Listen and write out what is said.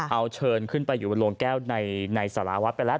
เอาเชิญขึ้นไปอยู่บนโรงแก้วในสารวัฒน์ไปแล้ว